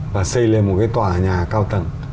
và xây lên một cái tòa nhà cao tầng